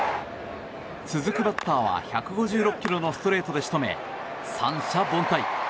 続くバッターは１５６キロのストレートで仕留め三者凡退。